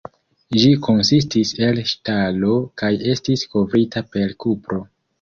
Ĝi konsistis el ŝtalo kaj estis kovrita per kupro.